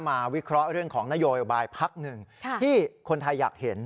วิเคราะห์เรื่องของนโยบายพักหนึ่งที่คนไทยอยากเห็น